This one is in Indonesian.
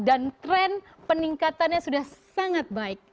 dan tren peningkatannya sudah sangat baik